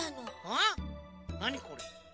なにこれ？